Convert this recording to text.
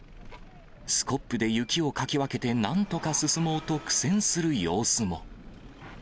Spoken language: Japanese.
スコップで雪をかき分けて、なんとか進もうと苦戦する様子も。